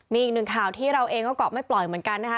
มีอีกหนึ่งข่าวที่เราเองก็เกาะไม่ปล่อยเหมือนกันนะคะ